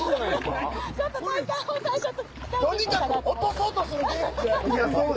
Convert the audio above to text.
とにかく落とそうとするゲーム。